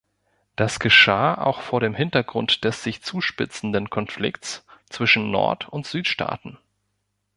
Das geschah auch vor dem Hintergrund des sich zuspitzenden Konflikts zwischen Nord- und Südstaaten.